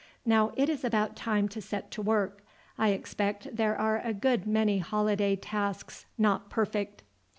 Now, it is about time to set to work. I expect there are a good many holiday tasks not perfect."